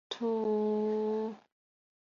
马岭竹为禾本科簕竹属下的一个种。